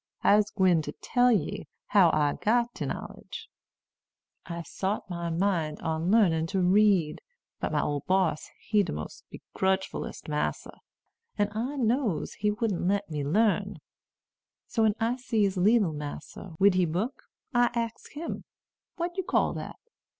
I'se gwine to tell ye how I got de knowledge. I sot my mind on larning to read; but my ole boss he's de most begrudgfullest massa, an' I knows he wouldn't let me larn. So when I sees leetle massa wid he book, I ax him, 'What you call dat?'